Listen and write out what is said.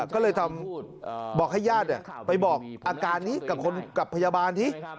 ก็เลยบอกให้ญาติไปบอกอาการนี้กับคนกับพยาบาลสิ